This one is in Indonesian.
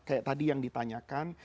kayak tadi yang ditanyakan